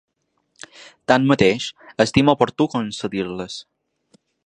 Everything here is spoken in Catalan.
Tanmateix, estima oportú concedir-les.